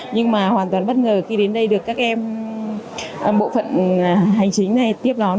nhưng mà hoàn toàn bất ngờ khi đến đây được các em bộ phận hành trình này tiếp gón